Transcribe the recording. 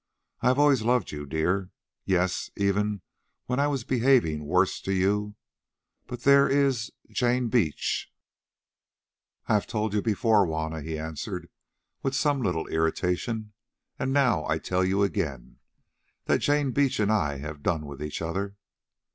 I have always loved you, dear, yes, even when I was behaving worst to you; but there is—Jane Beach!" "I have told you before, Juanna," he answered with some little irritation, "and now I tell you again, that Jane Beach and I have done with each other."